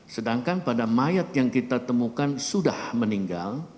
sedangkan pada mayat yang kita temukan sudah meninggal